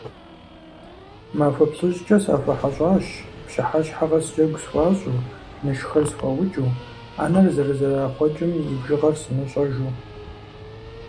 Махуэ плӀыщӀкӀэ сахуэхьэщӀащ, пщыхьэщхьэ къэс джэгу схуащӀу, нышхэр схуаукӀыу, Ӏэнэр зэрызэрахъуэкӏым и бжыгъэр сымыщӏэжу.